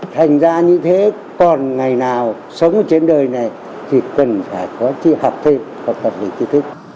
thành ra như thế còn ngày nào sống trên đời này thì cần phải có chi học thêm có tập luyện chi thức